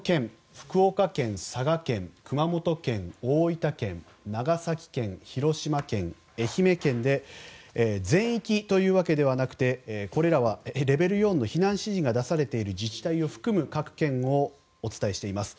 福岡県、佐賀県、熊本県大分県、長崎県、広島県愛媛県で全域というわけではなくてこれらはレベル４の避難指示が出されている自治体を含む各県をお伝えしています。